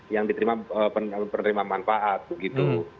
yang diterima penerima manfaat